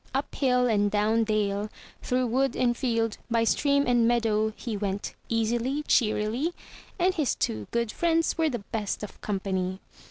Up hill and down dale, through wood and field, by stream and meadow he went, easily, cheerily, and his two good friends were the best of company.